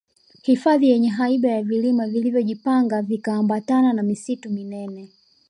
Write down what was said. hifadhi yenye haiba ya vilima vilivyo jipanga vikiambatana na misitu minene